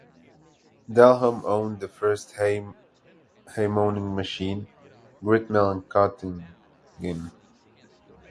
Delhomme owned the first hay-mowing machine, grit mill and cotton gin.